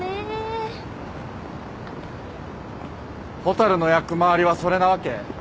蛍の役回りはそれなわけ？